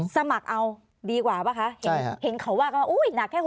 สมัครเอาดีกว่าหรือเปล่าคะ